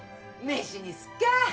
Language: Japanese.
飯にすっか！